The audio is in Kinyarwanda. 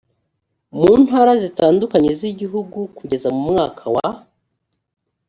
mu ntara zitandukanye z igihugu kugeza mu mwaka wa